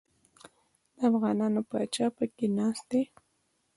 د افغانانو پاچا پکښې ناست دی.